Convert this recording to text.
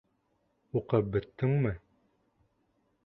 Уҡып бөттөңмө?